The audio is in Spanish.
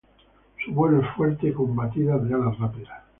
Su vuelo es fuerte y con batidas de alas rápidas.